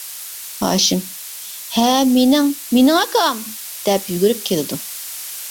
ھاشىم:-ھە، مېنىڭ، مېنىڭ ئاكا، دەپ يۈگۈرۈپ كېلىدۇ.